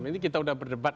ini kita sudah berdebat